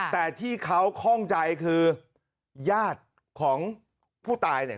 แต่ที่เขาคล่องใจคือญาติของผู้ตายเนี่ย